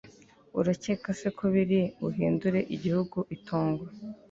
urakeka se ko biri buhindure igihugu itongo